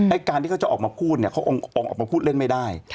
การที่เขาจะออกมาพูดเนี่ยเขาองค์ออกมาพูดเล่นไม่ได้